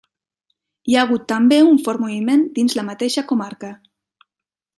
Hi ha hagut també un fort moviment dins la mateixa comarca.